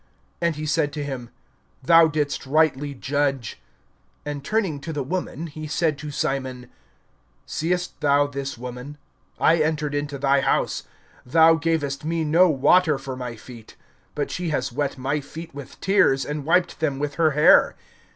And he said to him: Thou didst rightly judge. (44)And turning to the woman, he said to Simon: Seest thou this woman? I entered into thy house, thou gayest me no water for my feet; but she has wet my feet with tears, and wiped them with her hair.